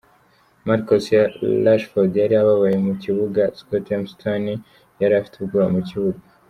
"Marcus Rashford yari ababaye mu kibuga, Scott McTominay yari afite ubwoba mu kibuga.